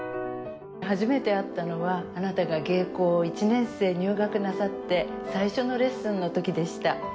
初めて会ったのはあなたが藝高１年生入学なさって最初のレッスンの時でした。